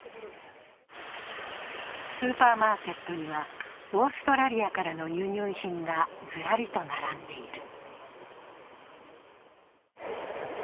スーパーマーケットにはオーストラリアからの輸入品がずらりと並んでいる。